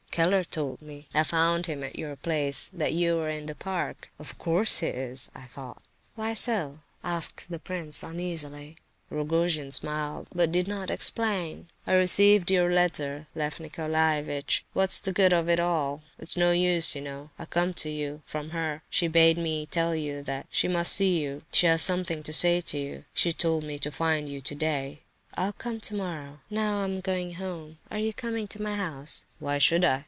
"Keller told me (I found him at your place) that you were in the park. 'Of course he is!' I thought." "Why so?" asked the prince uneasily. Rogojin smiled, but did not explain. "I received your letter, Lef Nicolaievitch—what's the good of all that?—It's no use, you know. I've come to you from her,—she bade me tell you that she must see you, she has something to say to you. She told me to find you today." "I'll come tomorrow. Now I'm going home—are you coming to my house?" "Why should I?